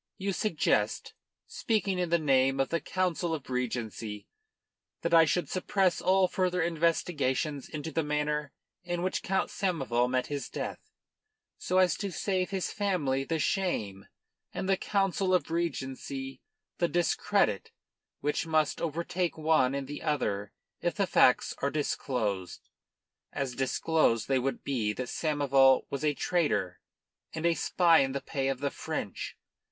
You suggest, speaking in the name of the Council of Regency, that I should suppress all further investigations into the manner in which Count Samoval met his death, so as to save his family the shame and the Council of Regency the discredit which must overtake one and the other if the facts are disclosed as disclosed they would be that Samoval was a traitor and a spy in the pay of the French.